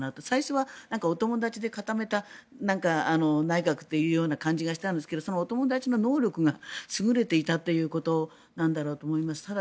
最初はお友達で固めた内閣というような感じがしたんですけどそのお友達の能力が優れていたということなんだろうと思います。